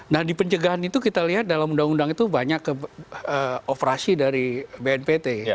nah di pencegahan itu kita lihat dalam undang undang itu banyak operasi dari bnpt